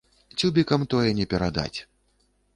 Цюбікам тое не перадаць.